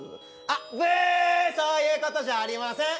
あっブーッそういうことじゃありません